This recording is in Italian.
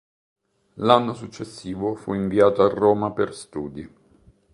L'anno successivo fu inviato a Roma per studi.